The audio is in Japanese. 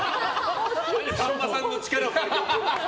急にさんまさんの力を借りて怒る。